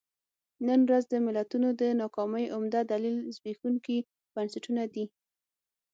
نن ورځ د ملتونو د ناکامۍ عمده دلیل زبېښونکي بنسټونه دي.